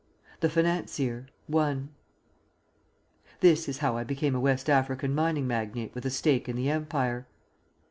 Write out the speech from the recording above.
THE FINANCIER. I This is how I became a West African mining magnate with a stake in the Empire.